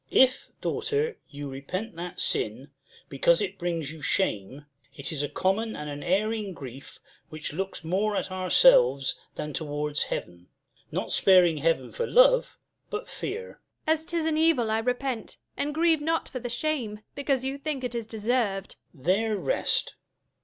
Duke. If, daughter, you repent that sin, because It brings you shame, it is a common and An erring grief, which looks more at ourselves Than towards Heaven; not sparing Heaven for love, But fear. Jul. As 'tis an evil I repent, and grieve not for The shame, because you think it is deserv'd. Duke. There rest.